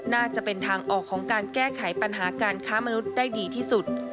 น่าจะเป็นทางออกของการแก้ไขปัญหาการค้ามนุษย์ได้ดีที่สุด